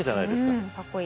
うんかっこいい。